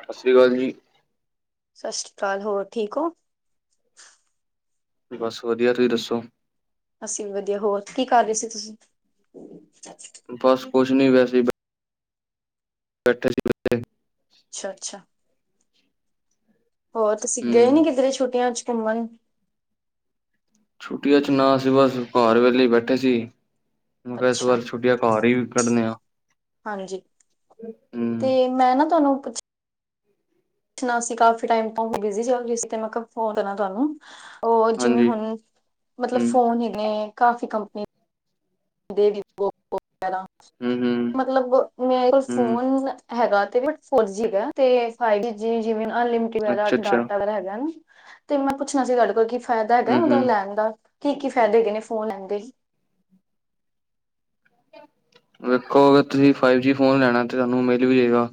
ਸਤਿ ਸ਼੍ਰੀ ਅਕਾਲ ਜੀ। ਸਤਿ ਸ਼੍ਰੀ ਅਕਾਲ ਹੋਰ ਠੀਕ ਹੋ। ਬਸ ਵਧੀਆਂ ਤੁਸੀਂ ਦੱਸੋਂ। ਅਸੀਂ ਵੀ ਵਧੀਆਂ ਹੋਰ ਕੀ ਕਰ ਰਹੇਂ ਸੀ। [inaudible] ਬਸ। ਕੁੱਛ ਨੀਂ ਵੈਸੇ। ਬੈਠੇਂ ਸੀੇ। ਅੱਛਾ ਅੱਛਾ ਹੋਰ ਤੁਸੀਂ ਗਏ ਹਮ ਨੀਂ ਕਿਧਰੇ ਛੁੱਟੀਆਂ ਚ। ਘੁੰਮਣ। ਛੁੱਟੀਆਂ ਚ ਨ ਅਸੀਂ ਬਸ ਘਰ ਵੇਲ਼ੇ ਬੈਠੇਂ ਸੀ ਮੈਂ ਕਿਹਾਂ ਇਸ ਅੱਛਾ ਵਾਰ ਛੁੱਟੀਆਂ ਘਰ ਹੀ ਕੱਢ ਲਈਆਂ ਹਾਂਜੀ । ਤੇ ਹੂੰ ਮੈਂ ਨਾ ਤੁਹਾਨੂੰ ਪੁੱਛਣਾ ਸੀਂ । ਕਾਫ਼ੀ ਟਾਇਮ ਤੋਂ ਮੈਂ ਬਿਜ਼ੀ ਚੱਲ ਰਹੀ ਸੀ। ਤੇ ਮੈਂ ਕਿਹਾਂ ਫ਼ੋਨ ਕਰਾਂ ਤੁਹਾਂਨੂੰ। ਉਹ ਜਿਵੇਂ ਹਾਂਜੀ ਹੁਣ ਮੱਤਲਬ ਹਮ ਫ਼ੋਨ ਹੀ ਨੇਂ। ਕਾਫ਼ੀ ਕੰਪਨੀ। ਦੇ [inaudible] [unintelligible] ਹਮ ਹਮ ਮਤਲਬ ਮੇਰੇ ਹਮ ਫੋਨ ਈ ਆ ਹੈਗਾ ਤੇ, ਬ ਫੋਰ ਜੀ ਦਾ ਹੈ, ਤੇ [unintelligible] ਜਿਵੇਂ ਅਨਲਿਮਿਟਿਡ ਵਾਲਾ, ਅੱਛਾ ਅੱਛਾ ਡਾਟਾ ਵਾਲਾ ਹੈਗਾ ਨਾ। ਤੇ, ਮੈਂ ਪੁੱਛਨਾ ਸੀ ਤੁਹਾਡੇ ਕੋਲ ਕੀ ਫਾਇਦਾ ਹੈਗਾ ਏ, ਹਮ ਉਹਦਾ ਹਮ ਲੈਨ ਦਾ। ਕੀ-ਕੀ, ਫਾਇਦੇ ਹੈਗੇ ਨੇ ਫੋਨ ਲੈਨ ਦੇ? ਵੇਖੋ, ਅਗਰ ਤੁਸੀ ਫਾਈਵ ਜੀ ਫੋਨ ਲੈਣਾ, ਤੇ ਤੁਹਾਨੂੰ ਮਿਲ ਵੀ ਜਾਏਗਾ।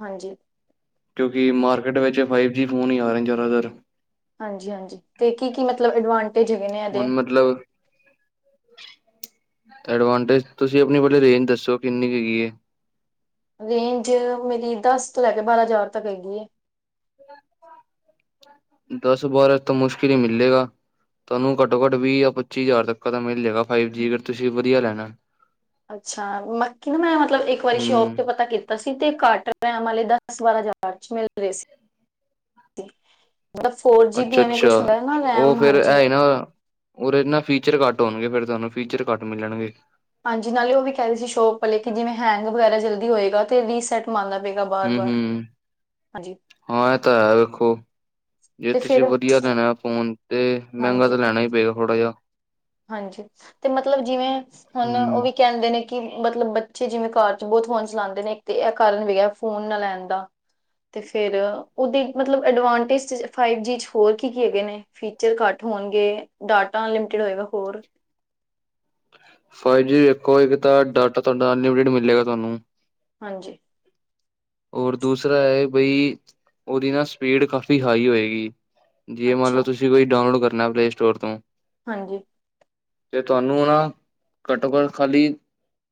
ਹਾਂਜੀ। ਕਿਉਂਕਿ, ਮਾਰਕੀਟ ਵਿੱਚ ਫਾਈਵ ਜੀ ਫੋਨ ਈ ਆਏ ਨੇ ਜ਼ਿਆਦਾਤਰ। ਹਾਂਜੀ-ਹਾਂਜੀ, ਤੇ ਕੀ-ਕੀ, ਮਤਲਬ ਐਡਵਾਂਟ ਟੇਜ ਹੈਗੇ ਨੇ ਇਹਦੇ। ਹੁਣ ਮਤਲਬ ਐਡਵਾਂਟੇਜ, ਤੁਸੀ ਆਪਣੀ ਪਹਿਲਾਂ ਰੇਂਜ ਦੱਸੋ ਕਿੰਨੀ ਕੁ ਹੈਗੀ ਹੈ। ਰੇਂਜ ਮੇਰੀ ਦਸ ਤੋ ਲਏ ਕੇ ਬਾਰਾ ਹਜਾਰ ਤੱਕ ਹੈਗੀ ਏ। ਦਸ ਬਾਰਾ ਤਾ ਮੁਸ਼ਕਿਲ ਹੀ ਮਿੱਲੇਗਾ, ਤੁਹਾਨੂੰ ਘੱਟੋ ਘੱਟ ਵੀਹ ਯਾ ਪੱਚੀ ਹਜਾਰ ਤੱਕ ਦਾ ਮਿਲ ਜਾਏਗਾ। ਫਾਈਵ ਜੀ, ਅਗਰ ਤੁਸੀ ਵਧੀਆ ਲੈਨਾ। ਏ। ਅੱਛਾ [unintelligible] ਮਤਲਬ ਇੱਕ ਵਾਰੀ ਸ਼ੋਪ ਹੂੰ ਤੇ ਪਤਾ ਕੀਤਾ ਸੀ ਤੇ ਘਟ [unintelligible] ਵਾਲੇ ਦਸ ਬਾਰਾਂ ਹਜਾਰ ਚ ਅੱਛੇ ਮਿਲ ਰਹੇ ਸੀ। ਮਤਲਬ ਫੋਰ ਜੀ ਬੀ ਐਵੇਂ ਕੁਛ ਅੱਛਾ-ਅੱਛਾ, ਹੁੰਦਾ ਨਾ ਉਹ ਰੈਮ ਫੇਰ ਹਾਂਜੀ ਇਹੀ ਨਾ, ਉਹਦੇ ਚ ਨਾ ਫੀਚਰ ਘੱਟ ਹੋਨਗੇ ਫੇਰ। ਤੁਹਾਨੂੰ, ਫੀਚਰ ਘੱਟ ਮਿਲਣਗੇ। ਹਾਂਜੀ, ਨਾਲੇ ਉਹ ਵੀ ਕਹਿ ਰਦੇ ਸੀ ਸ਼ੋਪ ਆਲੇ, ਕਿ ਜਿਵੇਂ ਹੈਂਗ ਵਗੈਰਾ ਜਲਦੀ ਹੋਏਗਾ ਤੇ ਰੀਸੈਟ ਮ ਹੂੰ-ਹੂੰ, ਹਾਂ ਇਹ ਤਾ ਹੈ ਵੇਖੋ ਜੇ ਤੇ ਤੁਸੀ ਫਿਰ ਵਧੀਆ ਲੈਣਾ ਏ ਫੋਨ ਤੇ ਮਹਿੰਗਾ ਤੇ ਹਾਂਜੀ ਲੈਣਾ ਹੀ ਪਏਗਾ ਥੋੜਾ ਜਿਹਾ। ਹਾਂਜੀ, ਤੇ ਮਤਲਬ ਜਿਵੇਂ ਹੁਨ ਉਹ ਹੂੰ ਵੀ ਕਹਿੰਦੇ ਨੇ ਕਿ ਮਤਲਬ ਬੱਚੇ ਜਿਵੇਂ ਕਾਰ ਚ ਬਹੁਤ ਫੋਨ ਚਲਾਦੇ ਨੇ ਇੱਕ ਤੇ ਇਹ ਕਾਰਨ ਵੀ ਐ ਫੋਨ ਨਾ ਲੈਣ ਦਾ, ਤੇ ਫੇਰ ਉਹਦੇ ਮਤਲਬ ਅਡਵਾਂਟੇਜ ਫਾਈਵ ਜੀ ਚ ਹੋਰ ਕੀ-ਕੀ ਹੈਗੇ ਨੇਂ? ਫੀਚਰ ਘੱਟ ਹੋਣਗੇ ਡਾਟਾ ਅਨਲਿਮਟਿਡ ਹੋਏਗਾ। ਹੋਰ ਫਾਈਵ ਜੀ ਵੇਖੋ ਇੱਕ ਤਾਂ ਡਾਟਾ ਤੁਹਾਡਾ ਅਨਲਿਮਿਟੇਡ ਮਿਲੇਗਾ ਤੁਹਾਨੂੰ। ਹਾਂਜੀ ਔਰ ਦੂਸਰਾ ਹੈ ਬਈ, ਉਹਦੀ ਨਾ ਸਪੀਡ ਕਾਫ਼ੀ ਹਾਈ ਹੋਏਗੀ। ਜੇ ਮੰਨ ਲਓ ਅੱਛਾ ਤੁਸੀ ਕੁਛ ਡਾਊਨਲੋਡ ਕਰ ਨਾ ਪਲੇ ਸਟੋਰ ਤੋਂ। ਹਾਂਜੀ ਤੇ ਤੁਹਾਨੂੰ ਨਾ ਘੱਟੋ-ਘੱਟ ਖਾਲੀ,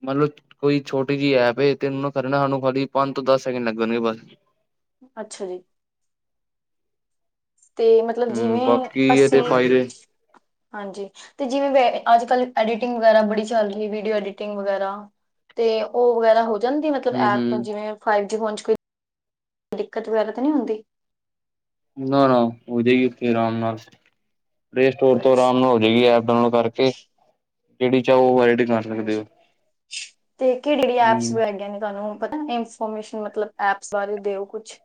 ਮੰਨ ਲਓ ਕੋਈ ਛੋਟੀ ਜਿਹੀ ਐਪ ਏ ਤੇ ਉਹਨੂੰ ਨਾ ਖ਼ਾਲੀ ਪੰਜ ਤੋ ਦਸ ਸੈਕਿੰਡ ਲੱਗਣਗੇ ਬਸ। ਅੱਛਾ ਜੀ। ਤੇ ਮਤਲਬ ਹੂੰ ਜਿਵੇਂ ਬਾਕੀ ਅਸੀ, ਇਹਦੇ ਫਾਇਦੇ ਹਾਂਜੀ ਤੇ ਜਿਵੇਂ ਅੱਜਕੱਲ ਐਡੀਟਿੰਗ ਵਗੈਰਾ ਬੜੀ ਚੱਲ ਰਹੀ ਵੀਡੀਓ ਐਡੀਟਿੰਗ ਵਗੈਰਾ, ਤੇ ਉਹ ਵਗੈਰਾ ਹੋ ਜਾਂਦੀ ਮਤਲਬ ਹੂੰ ਐਪ ਤੋਂ ਹੂੰ ਜਿਵੇਂ ਫਾਈਵ [unintelligible] ਦਿੱਕਤ ਵਗੈਰਾ ਤੇ ਨੀ ਹੁੰਦੀ। ਨਾ-ਨਾ ਹੋਜੇਗੀ ਫੇਰ ਆਰਾਮ ਨਾਲ। ਪਲੇ ਸਟੋਰ ਤੋ ਅੱਛਾ ਆਰਾਮ ਨਾਲ ਹੋ ਜਾਏਗੀ ਐਪ ਡਾਊਨਲੋਡ ਕਰਕੇ। ਜਿਹੜੀ ਚਾਹੋ ਉਹ ਐਪ ਹਾਂਜੀ, ਤੇ ਕਿਹੜੀ-ਕਿਹੜੀ ਐਪਸ ਹੂੰ ਹੈਗੀਆਂ ਨੇ ਤੁਹਾਨੂੰ ਹੁਣ ਪਤਾ ਮੈਂ ਇਨਫੋਰਮੇਸ਼ਨ ਮਤਲਬ ਐਪਸ ਬਾਰੇ ਦਿਓ ਕੁਛ।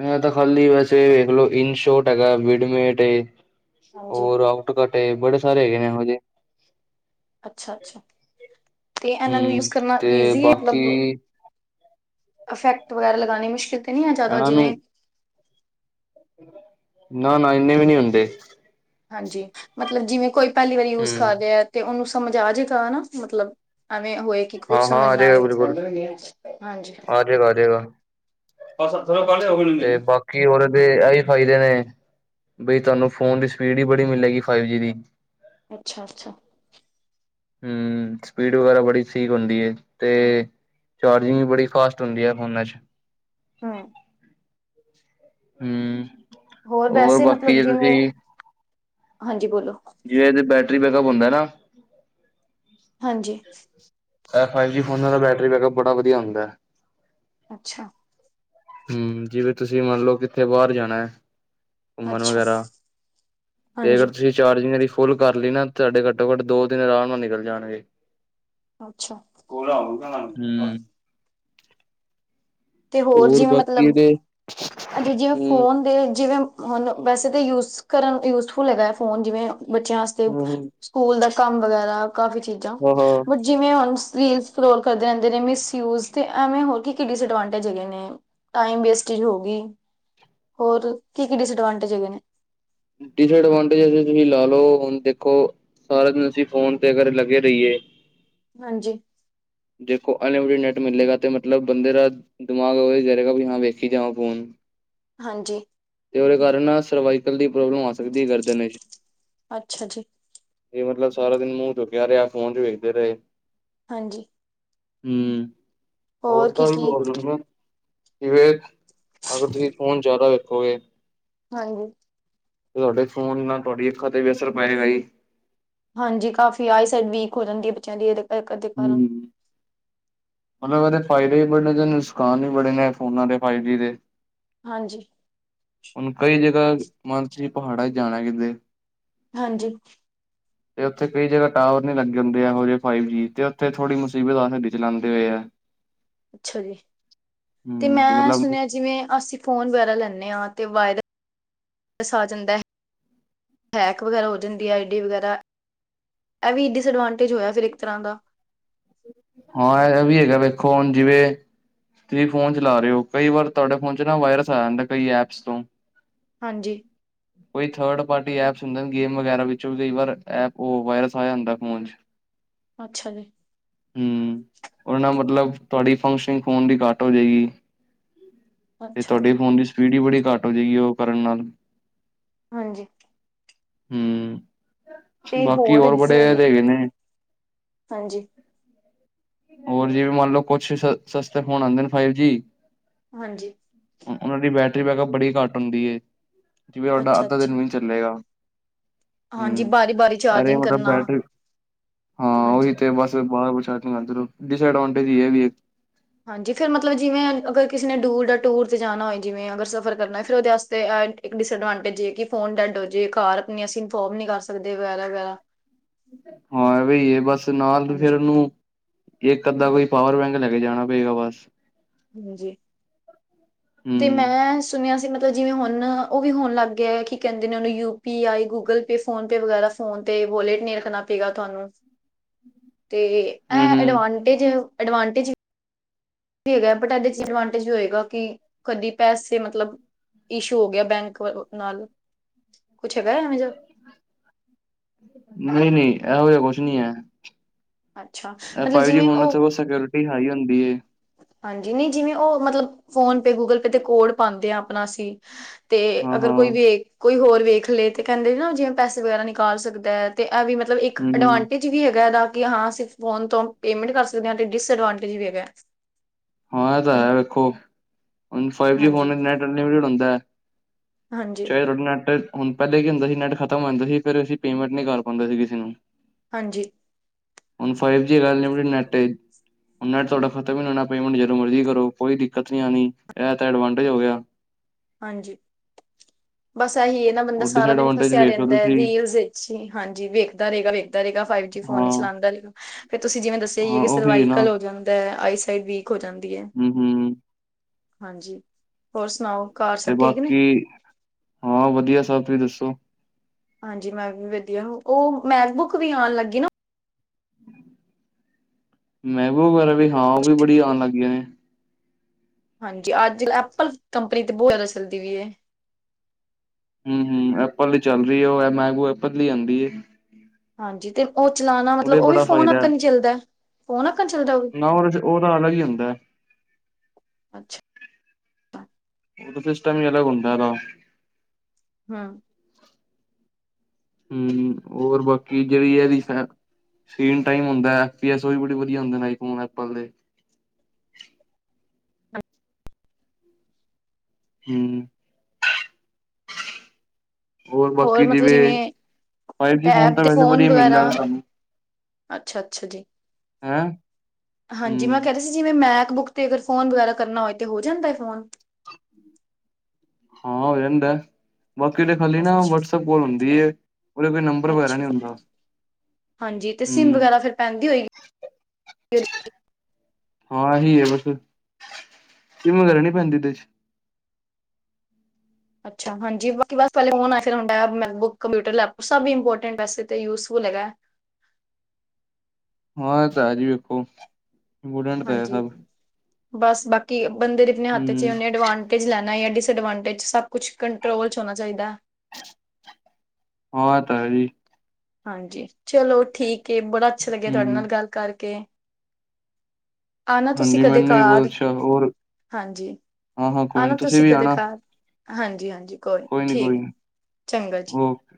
ਇਹਂ ਤੇ ਖਾਲੀ ਬਸ ਇਹ ਵੇਖ ਲਓ ਇਨ ਸ਼ੋਟ ਹੈਗਾ ਵਿਡ ਮੈਟ ਏ। ਹਾਂਜੀ ਹੋਰ ਆਊਟ ਕਟ। ਤੇ ਬੜੇ ਸਾਰੇ ਹੈਗੇ ਨੇ ਇਹੋਂ ਜਿਹੇ। ਅੱਛਾ-ਅੱਛਾ। ਹੂੰ ਤੇ ਬਾਕੀ ਇਫੈਕਟ ਵਗੈਰਾ ਲਗਾਨੇ ਮੁਸ਼ਕਿਲ ਤੇ ਨੀ ਆ ਜਿਆਦਾ ਇਹਨਾਂ ਜਿਵੇਂ ਨਾ-ਨਾ ਇੰਨੇ ਵੀ ਨੀ ਹੁੰਦੇ। ਹਾਂਜੀ ਮਤਲਬ ਜਿਵੇਂ ਕੋਈ ਪਹਿਲੀ ਵਾਰੀ ਯੂਜ਼ ਕਰ ਹੂੰ ਰਿਹਾ ਹੈ ਤੇ ਓਹਨੂੰ ਸਮਝ ਆਜੇਗਾ ਨਾ ਮਤਲਬ ਐਵੇਂ ਹੋਏ ਕਿ ਹਾਂ ਕੁਛ ਹਾਂ ਸਮਝ ਆ ਨਾ ਜਾਏਗਾ ਆਏ ਬਿਲਕੁਲ [unintelligible] ਹਾਂਜੀ ਆ ਜਾਏਗਾ ਆ ਜਾਏਗਾ। [unintelligible] ਫਾਈਦੇ ਨੇ, ਬਈ ਤੁਹਾਨੂੰ ਫੋਨ ਦੀ ਸਪੀਡ ਹੀ ਬੜੀ ਮਿਲੇਗੀ ਫਾਈਵ ਜੀ ਦੀ। ਅੱਛਾ-ਅੱਛਾ ਹਮ ਸਪੀਡ ਵਗੈਰਾ ਬੜੀ ਠੀਕ ਹੁੰਦੀ ਏ ਤੇ ਚਾਰਜਿੰਗ ਵੀ ਬੜੀ ਫਾਸਟ ਹੁੰਦੀ ਆ। ਓਹਨਾਂ ਚ ਹਮ ਹਮ ਹੋਰ ਵੈਸੇ ਮਤਲਬ ਜਿਵੇਂ। ਹਾਂਜੀ ਬੋਲੋ ਜੀ ਓਹਦੀ ਬੈਟ ਟਰੀ ਬੈਕਅਪ ਹੁੰਦਾ ਨਾ ਹਾਂਜੀ ਇਹ ਫਾਈਵ ਜੀ ਫੋਨਾਂ ਦਾ ਬੈਟਰੀ ਬੈਕਅਪ ਬੜਾ ਵਧੀਆ ਹੁੰਦਾ ਏ। ਅੱਛਾ ਹਮ, ਜਿਵੇਂ ਤੁਸੀ ਮੰਨ ਲਓ ਕਿੱਥੇ ਬਾਹਰ ਜਾਣਾ ਹੈ। ਘੁੰਮਣ ਅੱਛਾ ਵਗੈਰਾ ਤੇ ਅਗਰ ਹਾਂਜੀ ਤੁਸੀ ਚਾਰਜਿੰਗ ਵਾਲੀ ਫੁੱਲ ਕਰ ਲਈ ਨਾ, ਤੁਹਾਡੇ ਘੱਟੋ ਘੱਟ ਦੋ ਦਿਨ ਆਰਾਮ ਨਾਲ ਨਿਕਲ ਜਾਣਗੇ। ਅੱਛਾ, ਕੋਹਰਾ ਹੁੰਦਾ ਏ ਬਸ। ਹੂੰ ਤੇ ਹੋਰ ਜਿਵੇਂ ਬਾਕੀ ਮਤਲਬ, ਇਹਦੇ ਅਤੇ ਜਿਵੇਂ ਹੂੰ ਫੋਨ ਦੇ ਜਿਵੇਂ ਹੁਣ ਵੈਸੇ ਤੇ ਯੂਜ਼ ਕਰਨ, ਯੂਜਫੁਲ ਹੈਗਾ ਏ ਫੋਨ ਜਿਵੇਂ। ਬੱਚਿਆਂ ਵਾਸਤੇ ਹੂੰ ਸਕੂਲ ਦਾ। ਕੰਮ ਵਗੈਰਾ। ਕਾਫੀ ਚੀਜਾਂ ਹਾਂ ਹਾਂ ਬਟ ਜੇ ਮੈਂ ਉਸ ਰੀਲ ਸਕਰੋਲ ਕਰਦੇ ਰਹਿੰਦੇ ਨੇ ਮਿਸਯੂਜ, ਤੇ ਐਵੇਂ ਹੋਰ ਕੀ-ਕੀ ਡਿਸਐਡਵਾਂਟ ਟੇਜਾਂ ਨੇਂ ਟਾਈਮ ਵੇਸਟ ਹੋਰਿ ਹੋ ਗਈ, ਹੋਰ ਕੀ-ਕੀ ਡਿਸਡਵਾਂਟੇਂਜ ਹੈਗੇ ਨੇ। ਡਿਸਐਡਵਾਂਟੇਜ ਤਾਂ ਬਈ ਤੁਸੀ ਲਾ ਲਓ, ਹੁਣ ਦੇਖੋ ਸਾਰਾ ਦਿਨ ਅਸੀ ਫੋਨ ਤੇ ਅਗਰ ਲੱਗੇ ਰਹੀਏ। ਹਾਂਜੀ ਅਨਲਿਮਿਟੇਡ ਨੇਟ ਮਿਲੇਗਾ, ਤੇ ਮਤਲਬ ਬੰਦੇ ਦਾ ਦਿਮਾਗ ਓਵੇਂ ਹੀ ਬਈ ਮੈਂ ਵੇਖੀ ਜਾਵਾਂ ਫੋਨ। ਹਾਂਜੀ ਤੇ ਉਹਦੇ ਕਾਰਨ ਨਾ ਸਰਵਾਈਕਲ ਦੀ ਪ੍ਰੋਬਲਮ ਹੋ ਸਕਦੀ ਏ ਗਰਦਨ ਵਿੱਚ, ਅੱਛਾ ਜੀ ਬਈ ਮਤਲਬ ਸਾਰਾ ਦਿਨ ਮੂੰਹ ਚੁੱਕਿਆ ਰਿਹਾ ਫੋਨ ਚ ਵੇਖਦੇ ਰਹੇ ਹਾਂਜੀ ਹਮ ਹੋਰ ਕੀ ਟਾਈਮ ਕੀ ਵੀ ਆਉਂਦੇ ਹੋਨੇਂ। ਜਿਵੇਂ ਕਿ ਅਗਰ ਤੁਸੀ ਫੋਨ ਜਿਆਦਾ ਹੋਵੇ। ਹਾਂਜੀ। ਤੁਹਾਡੇ ਫੋਨ ਨਾਲ ਤੁਹਾਡੀ ਅੱਖਾਂ ਤੇ ਵੀ ਅਸਰ ਪਏਗਾ ਜੀ। ਹਾਂਜੀ ਕਾਫੀ ਆਈ ਸਾਈਡ ਵੀਕ ਹੋ ਜਾਂਦੀ ਹੈ ਬੱਚਿਆਂ ਦੀ, ਇਹਦੇ। ਇਕ ਦੇ ਕਾਰਨ। ਹੂੰ, ਮਤਲਬ ਇਹਦੇ ਫਾਇਦੇ ਵੀ ਬੜੇ ਨੇਂ, ਨੁਸਕਾਨ ਵੀ ਬੜੇ ਨੇ ਫੋਨਾਂ ਦੇ ਫਾਈਵ ਜੀ ਦੇ। ਹਾਂਜੀ ਹੁਨ ਕਈ ਜਗਾਹ। ਮਨ ਛੀ, ਪਹਾੜਾਂ ਤੇ ਜਾਣਾ ਕਿਤੇ। ਹਾਂਜੀ ਤੇ ਉੱਥੇ ਕਈ ਜਗਾਹ ਟਾਵਰ। ਨੀ ਲੱਗ ਹੁੰਦੇ ਇਹੋ ਜਿਹੇ ਫਾਈਵ ਜੀ, ਤੇ ਉੱਥੇ ਥੋੜੀ ਮੁਸੀਬਤ ਆ ਨੇਟ ਚਲਾਨ। [unintelligible] ਅੱਛਾ ਜੀ, ਤੇ ਹੂੰ ਮੈਂ ਮਤਲਬ ਸੁਨਿਆ ਜਿਵੇਂ ਅਸੀ ਫੋਨ ਵਗੈਰਾ ਲੈਂਨੇਂਆਂ ਤੇ ਵਾਇ। ਸ ਆ ਜਾਂਦਾ ਏ, ਹੈਕ ਵਗੈਰਾ ਹੋ ਜਾਂਦੀ ਹੈ ਆਈ ਡੀ ਵਗੈਰਾ, ਇਹ ਵੀ ਡਿਸਐਡਵਾਂਟੇਜ ਹੋਇਆ ਫਿਰ ਇੱਕ ਤਰਹਾਂ ਦਾ। ਹਾਂ ਇਹ ਵੀ ਹੈਗਾ ਵੇਖੋ ਹੁਨ ਜਿਵੇਂ, ਤੁਸੀ ਫੋਨ ਚਲਾ ਰਹੇ ਹੋ ਕਈ ਵਾਰ ਤੁਹਾਡੇ ਫੋਨ ਚ ਨਾ ਵਾਇਰਸ ਆ ਜਾਂਦਾ ਕਈ ਐਪਸ ਤੋਂ। ਹਾਂਜੀ। ਕੋਈ ਥਰਡ ਪਾਰਟੀ ਐਪਸ ਹੁੰਦੇ ਨੇਂ ਗੇਮ ਵਗੈਰਾ, ਓਹਦੇ ਵਿਚੋ ਵੀ ਕਈ ਵਾਰ ਐਪ ਓਹ ਵਾਇਰਸ ਆ ਜਾਂਦਾ ਏ ਫ਼ੋਨ ਚ। ਅੱਛਾ ਜੀ। ਹਮ ਉਹ ਨਾ ਮਤਲਬ। ਤੁਹਾਡੀ ਫੰਕਸ਼ਨਿੰਗ ਫੋਨ ਦੀ ਘੱਟ ਹੋ ਜੇਗੀ। ਤੇ ਅੱਛਾ ਤੁਹਾਡੇ ਫੋਨ ਦੀ ਸ। ਸਪੀਡ ਬੀ ਬੜੀ ਘੱਟ ਹੋ ਜੇਗੀ ਉਹ ਕਰਨ ਨਾਲ। ਹਾਂਜੀ। ਹਮ। ਤੇ ਬਾਕੀ ਹੋਰ ਬੜੇ ਜਿਵੇਂ ਹੈਦੇਗੇ ਨੇ। ਹਾਂਜੀ। [unintelligible] ਹੋਰ ਜੀ ਵੀ ਮੰਨ ਲਓ ਕੁਛ ਸ ਸਸਤੇ ਫੋਨ ਆਉਂਦੇ ਨੇ ਫਾਈਵ ਜੀ। ਹਾਂਜੀ। ਰੀ ਬੈਕਅਪ ਬੜੀ ਘੱਟ ਹੁੰਦੀ ਐ। ਜਿਵੇਂ ਤੁਹਾਡਾ ਅੱਛਾ ਅੱਧਾ ਅੱਛਾ ਦਿਨ ਵੀ ਨੀ ਚੱਲੇਗਾ। ਹਾਂਜੀ ਹਮ ਬਾਰੀ ਬਾਰੀ ਅਰੇ ਚਾਰਜਿੰਗ ਮਤਲਬ ਕਰਨਾ ਬੈਟਰੀ ਹਾਂ ਉਹੀ ਹਾਂਜੀ ਤੇ ਬਸ ਬਾਹਲਾ ਕੁਛ। [unintelligible] ਅੰਦਰੋਂ। ਡਿਸਐਡਵਾਂਟੇਜ ਹੀ ਹੈ ਵੀ ਇੱਕ। ਹਾਂਜੀ ਫਿਰ ਮਤਲਬ ਜਿਵੇਂ ਅਗਰ ਕਿਸੇ ਨੇ ਦੂਰ ਦਾ ਟੂਰ ਚ ਜਾਣਾ ਹੋ ਜਿਵੇਂ ਅਗਰ ਸਫਰ ਕਰਨਾ ਫਿਰ ਉਹਦੇ ਵਾਸਤੇ ਇੱਕ ਡਿਸਐਡਵੈਂਟੇਜ ਐ ਕਿ ਫੋਨ ਡੈਡ ਹੋ ਜੇ ਘਰ ਵੀ ਨਹੀਂ ਅਸੀਂ ਇਨਫੋਰਮ ਵੀ ਨਹੀਂ ਕਰ ਸਕਦੇ ਵਗੈਰਾ ਵਗੈਰਾ। ਹਾਂ ਇਹ ਐ ਵੀ ਏ ਬਸ ਨਾਲ ਫ਼ੇਰ ਹਾਂਜੀ ਉਹਨੂੰ ਇੱਕ। ਅੱਧਾ ਕੋਈ ਪਾਵਰ ਬੈਂਕ ਲੈ ਕੇ ਜਾਣਾ ਪਏਗਾ ਬਸ। ਹਾਂਜੀ ਤੇ ਹੂੰ, ਮੈਂ ਸੁਣਿਆ ਸੀ ਮਤ। ਜਿਵੇਂ ਹੁਣ ਉਹ ਵੀ ਹੋਣ ਲੱਗ ਗਿਆ ਕਿ ਕਹਿੰਦੇ ਨੇ ਉਹਨੂੰ U P I Google Pay PhonePe ਵਗੈਰਾ ਫੋਨ ਤੇ ਵੋਲਟ ਨਹੀਂ ਰੱਖਣਾ ਪਏਗਾ ਤੁਹਾਨੂੰ। ਤੇ ਐ ਹੂੰ-ਹੂੰ, ਐਡਵਾਂਟੇਜ ਐਡਵਾਂਟੇਜ ਵੀ ਹੈਗਾ ਬਟ ਇਹਦੇ ਚ ਡਿਸਅਡਵਾਂਟੇਜ ਹੋਏਗਾ ਕਿ ਕਦੀ ਪੈਸੇ ਮਤਲਬ ਇਸ਼ੂ ਹੋ ਗਿਆ ਬੈਂਕ ਵ ਨਾਲ। ਕੁਛ ਹੈਗਾ ਐਵੇਂ ਜਾ ਨਹੀਂ- ਨਹੀਂ ਐਹੋ ਜਾ ਕੁਛ ਨੀ ਅੱਛਾ ਐ। ਮਤਲਬ ਫਾਈਵ ਜੀ ਜਿਵੇਂ ਫੋਨਾਂ ਚ ਉਹ ਬਹੁ ਸਕਿਓਰਿਟੀ ਹਾਈ ਹੁੰਦੀ ਏ। ਹਾਂਜੀ ਨਹੀਂ ਜਿਵੇਂ ਉਹ ਮਤਲਬ ਫੋਨ ਪੇ ਗੂਗਲ ਪੇ ਤੇ ਕੋਡ ਪਾਂਦੇ ਆ ਆਪਣਾ ਅਸੀਂ ਤੇ ਅਗਰ ਕੋਈ ਹਾਂ-ਹਾਂ, ਵੇ ਕੋਈ ਹੋਰ ਵੇਖ ਲਏ ਤੇ ਕਹਿੰਦੇ ਨਾ ਜਿਵੇਂ ਪੈਸੇ ਵਗੈਰਾ ਨਿਕਾਲ ਸਕਦਾ ਹੈ ਤੇ ਇਹ ਵੀ ਮਤਲਬ ਇੱਕ ਹੂੰ-ਹੂੰ। ਐਡਵਾਂਟੇਜ ਵੀ ਹੈਗਾ ਇਹਦਾ। ਕਿ ਹਾਂ ਅਸੀਂ ਫੋਨ ਤੋਂ ਪੇਮੈਂਟ ਕਰ ਸਕਦੇ ਤੇ ਡਿਸਅਡਵਾਂਟੇਜ ਵੀ ਹੈਗਾ। ਹਾਂ ਇਹ ਤਾਂ ਹੈ ਵੇਖੋ ਹੁਣ ਫਾਈਵ ਜੀ ਹਾਂਜੀ ਫੋਨ ਨੈਟ [unintelligible] ਹਾਂਜੀ ਚਾਹੇ ਤੁਹਾਡਾ ਨੈਟ ਹੁਣ ਪਹਿਲੇ ਕੀ ਹੁੰਦਾ ਸੀ ਨੈੱਟ ਖਤਮ ਹੋ ਜਾਂਦਾ ਸੀ, ਫਿਰ ਅਸੀਂ ਪੇਮੈਂਟ ਨੀ ਕਰ ਪਾਂਦੇ ਸੀ ਕਿਸੇ ਨੂੰ। ਹਾਂਜੀ। ਹੁਣ ਫਾਈਵ ਜੀ ਹੈਗਾ ਅਨਲਿਮਿਟਡ ਨੈਟ ਹੁਣ ਨੈਟ ਤੁਹਾਡਾ ਖ਼ਤਮ ਹੀ ਨੀ ਹੋਣਾ। ਪੇਮੈਂਟ ਜਦੋਂ ਮਰਜ਼ੀ ਕਰੋ, ਕੋਈ ਦਿੱਕਤ ਨੀ ਆਨੀ ਇਹ ਤਾਂ ਐਡਵਾਂਟੇਜ ਹੋ ਗਿਆ। ਹਾਂਜੀ ਬਸ ਇਹੀ ਹੈ ਨਾ, ਬੰਦਾ ਹੋਰ ਸਾਰਾ ਦਿਨ ਡਿਸਐਡਵਾਂਟੇਜ ਫਸਿਆ ਵੇਖ ਲੋ ਰਹਿੰਦਾ ਹੈ ਤੁਸੀਂ ਰੀਲਸ ਵਿੱਚ ਹੀ, ਹਾਂਜੀ ਵੇਖਦਾ ਰਹੇਗਾ, ਵੇਖਦਾ ਰਹੇਗਾ, ਫਾਈਵ ਜੀ ਹਾਂ ਫੋਨ ਹੀ ਚਲਾਂਦਾ ਰਹੇਗਾ। ਫਿਰ ਤੁਸੀਂ ਜਿਵੇਂ ਦੱਸਿਆ ਹੀਏ ਹਾਂ ਕਿ ਉਹੀ ਹੈ ਨਾ ਸਰਵਾਈਕਲ ਹੋ ਜਾਂਦਾ ਆਈਸ ਫਿਰ ਵੀ ਹੋ ਜਾਂਦੀ ਐ। ਹੂੰ ਹੂੰ ਹਾਂਜੀ, ਹੋਰ ਸੁਣਾਓ ਘਰ ਤੇ ਸਭ ਠੀਕ ਨੇ ਬਾਕੀ ਹਾਂ ਵਧੀਆ ਸਭ, ਤੁਸੀਂ ਦੱਸੋ ਹਾਂਜੀ ਮੈਂ ਵੀ ਵਧੀਆ, ਉਹ ਮੈਕ ਬੁੱਕ ਵੀ ਆਣ ਲੱਗੀ ਨਾ। ਮਹਿਬੂਬ ਵਗੈਰਾ ਵੀ ਹਾਂ, ਉਹ ਵੀ ਬੜੀ ਆਣ ਲੱਗ ਗੀਆਂ ਨੇ। ਹਾਂਜੀ, ਅੱਜ ਐਪਲ ਕੰਪਨੀ ਤੇ ਬਹੁਤ ਜ਼ਿਆਦਾ ਚੱਲਦੀ ਵੀ ਹੈ। ਹੂੰ-ਹੂੰ, ਐਪਲ ਹੀ ਚੱਲ ਰਹੀ ਐ ਉਹ ਮੈਗੂ ਐਪਲ ਦੀ ਆਂਦੀ ਹੈ। ਹਾਂਜੀ, ਤੇ ਉਹ ਚਲਾਉਣਾ ਮਤਲਬ ਉਹ ਵੀ ਫੋਨ ਫਾਇਦਾ ਹੈ ਅੱਕਨ ਹੀ ਚੱਲਦਾ, ਫੋਨ ਅੱਕਨ ਚੱਲਦਾ ਉਹ ਵੀ ਨਾ ਉਹਦੇ ਚ ਉਹਦਾ ਅਲੱਗ ਹੀ ਹੁੰਦਾ। ਅੱਛਾ। ਓਹ ਤਾ ਸਿਸਟਮ ਹੀ ਅਲੱਗ ਹੁੰਦਾ ਓਦਾ ਹਾਂ। ਹੂੰ ਹੋਰ ਬਾਕੀ ਜਿਹੜੀ ਇਹਦੀ ਸਕੀਨ ਟਾਈਮ ਹੁੰਦਾ ਐ ਐਸ ਸੀ ਐਸ ਉਹ ਵੀ ਬੜੇ ਵਧੀਆ ਹੁੰਦੇ ਨੇ ਆਈਫੋਨ, ਐਪਲ ਦੇ। ਹੂੰ। ਹੋਰ ਬਾਕੀ ਜਿਵੇਂ ਫਾਈਵ ਜੀ ਫੋਨ ਟੈਬ ਤਾਂ ਤੇ ਵੈਸੇ ਵਧੀਆ ਮਿਲ ਵਗੈਰਾ ਜਾਣ ਤਹਾਨੂੰ। ਅੱਛਾ ਅੱਛਾ ਜੀ ਹੈਂ? ਹਾਂਜੀ, ਮੈਂ ਹੂੰ, ਕਹਿ ਰਹੀ ਸੀ ਜਿਵੇਂ ਮੈਂ ਬੁੱਕ ਤੇ ਅਗਰ ਫੋਨ ਵਗੈਰਾ ਕਰਨਾ ਹੋਏ, ਤੇ ਹੋ ਜਾਂਦਾ ਹੈ ਫੋਨ? ਹਾਂ ਹੋ ਜਾਂਦਾ। ਬਾਕੀ ਤੇ ਖਾਲੀ ਨਾ ਅੱਛਾ ਵਟਸਪ ਕੋਲ ਹੁੰਦੀ ਹੈ, ਉਹਦੇ ਕੋਈ ਨੰਬਰ ਵਗੈਰਾ ਅੱਛਾ ਨੀ ਹੁੰਦਾ। ਹਾਂਜੀ ਤੇ ਸਿਮ ਹੂੰ ਵਗੈਰਾ ਫਿਰ ਪੈਂਦੀ ਹੋਏਗੀ ਹਾਂ ਇਹੀ ਹੈ ਬਸ ਫਿਰ, ਸਿੰਮ ਵਗੈਰਾ ਨੀ ਪੈਂਦੀ ਏਦੇ ਚ। ਅੱਛਾ ਹਾਂਜੀ ਬਾਕੀ ਬਸ ਹੁਣ ਟੈਬ, ਮੈਕਬੁੱਕ, ਕੰਪਿਊਟਰ, ਲੈਪਟੋਪ ਸਭ ਇਪੋਰਟੈਂਟ ਵੈਸੇ ਤਾਂ ਯੂਜਫੁੱਲ ਹੈਗਾ। ਆਇਆ ਤਾਂ ਹੈ ਜੀ ਵੇਖੋ। ਗੁਡੰਟ ਤਾਂ ਹੈ ਹਾਂਜੀ ਸਭ ਬਸ ਬਾਕੀ ਬੰਦੇ ਦੇ ਆਪਣੇ ਹੱਥ 'ਚ ਏ ਹੂੰ, ਉਹਨੇ ਅਡਵਾਂਟੇਜ ਲੈ ਨਾ ਜਾ ਡਿਸਾਆਡਵਾਂਟੇਜ, ਸਭ ਕੁਛ ਕੰਟਰੋਲ 'ਚ ਹੋਣਾ ਚਾਹੀਦਾ। ਹਾਂ ਏ ਤਾ ਹੈ ਜੀ। ਹਾਂਜੀ ਚਲੋ ਠੀਕ ਏ ਬੜਾ ਅੱਛਾ ਲੱਗਿਆ ਤੁਹਾਡੇ ਹੂੰ, ਨਾਲ ਗੱਲ ਕਰਕੇ। ਆਣਾ ਤੁਸੀਂ ਹਾਂਜੀ ਕਦੇ ਮੈਨੂੰ ਹੀ ਬਹੁਤ ਘਰ ਅੱਛਾ ਹੋਰ, ਹਾਂਜੀ ਹਾਂ-ਹਾਂ ਕੋਈ ਨੀ ਤੁਸੀਂ ਵੀ ਆਣਾ। ਹਾਂਜੀ-ਹਾਂਜੀ। ਕੋਈ ਨੀ ਕੋਈ ਨੀ ਓਕੇ।